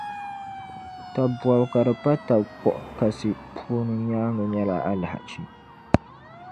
Taba bɔbu ka di pa taba kpuɣi kasi puuni nyaaŋa nyɛla alahachi.